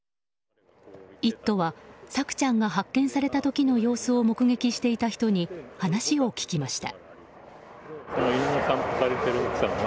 「イット！」は朔ちゃんが発見された時の様子を目撃していた人に話を聞きました。